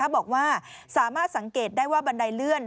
บอกว่าสามารถสังเกตได้ว่าบันไดเลื่อน